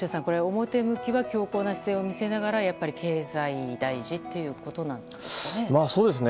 表向きは強硬な姿勢を見せながらやっぱり経済大事ってことなんですかね。